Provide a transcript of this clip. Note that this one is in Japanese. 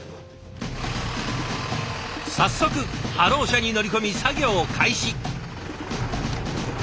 早速ハロー車に乗り込み作業開始！